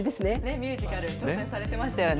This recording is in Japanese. ミュージカル、挑戦されてましたよね。